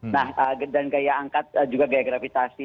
nah dan gaya angkat juga gaya gravitasi